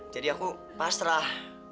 jadi aku pasrah